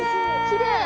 きれい！